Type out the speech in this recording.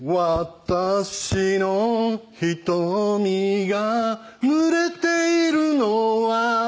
「私の瞳がぬれているのは」